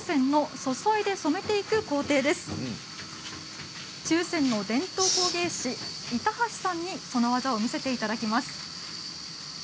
注染の伝統工芸士いたはしさんに、その技を見せていただきます。